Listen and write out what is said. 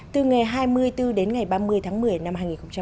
từ ngày hai mươi bốn đến ngày ba mươi tháng một mươi năm hai nghìn một mươi sáu